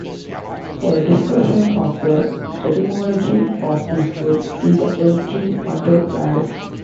For a discussion of the etymology of these words, see the entry under varus.